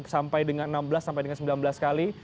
sampai dengan enam belas sampai dengan sembilan belas kali